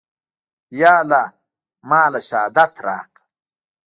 يا الله ما له شهادت راکه.